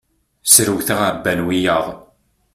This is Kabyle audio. Srewteɣ, ɛebban wiyaḍ.